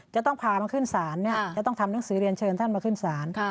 จะต้องพามาขึ้นศาลจะต้องทำหนังสือเรียนเชิญท่านมาขึ้นศาล